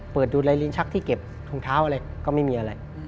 เปิดดูลายลิ้นชักที่เก็บถุงเท้าอะไรก็ไม่มีอะไร